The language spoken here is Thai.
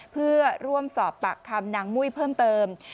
เพื่อร่วมสอบปากคำนางมุ้ยเพิ่มเติม